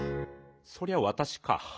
そりゃわたしか。